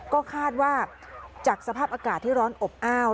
ก็คาดว่าจากสภาพอากาศที่ร้อนอบอ้าว